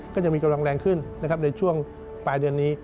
ก็จะมีกำลังแรงขึ้นนะครับในช่วงปลายเดือนนี้